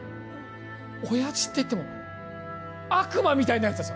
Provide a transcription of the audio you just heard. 親父って言っても悪魔みたいなやつだぞ。